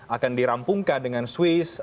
akan dirampungkan dengan swiss